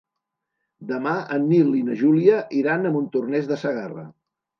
Demà en Nil i na Júlia iran a Montornès de Segarra.